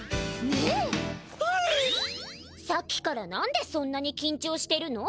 さっきから何でそんなにきんちょうしてるの？